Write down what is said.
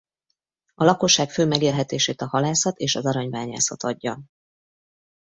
A lakosság fő megélhetését a halászat és az aranybányászat adja.